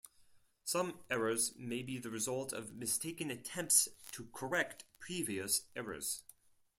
Some errors may be the result of mistaken attempts to correct previous errors.